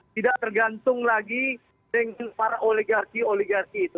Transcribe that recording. tidak tergantung lagi dengan para oligarki oligarki itu